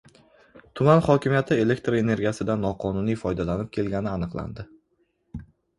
Tuman hokimiyati elektr energiyasidan noqonuniy foydalanib kelgani aniqlandi